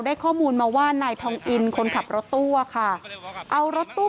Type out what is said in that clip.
ข้อมูลมาว่านายทองอินคนขับรถตู้อะค่ะเอารถตู้